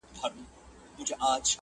او د چڼچڼو شورماشور کي به د زرکو آواز٫